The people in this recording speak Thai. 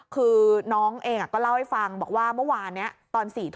คือน้องเองก็เล่าให้ฟังบอกว่าเมื่อวานนี้ตอน๔ทุ่ม